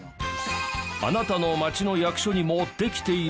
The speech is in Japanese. あなたの町の役所にもできているかも？